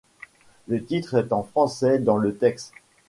Le titre est en français dans le texte.